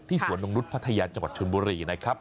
สวนนกนุษย์พัทยาจังหวัดชนบุรีนะครับ